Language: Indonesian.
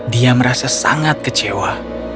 dia merasa sangat kecewa